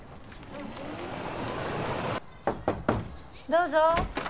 どうぞ。